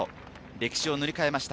歴史を塗り替えました。